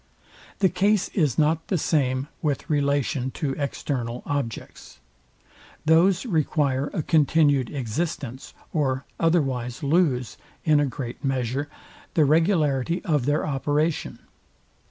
The case is not the same with relation to external objects. Those require a continued existence, or otherwise lose, in a great measure, the regularity of their operation.